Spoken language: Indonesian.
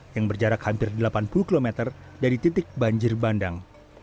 yang berjarak hampir delapan puluh km dari titik banjir bandang